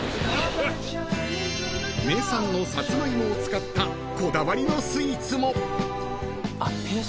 ［名産のサツマイモを使ったこだわりのスイーツも］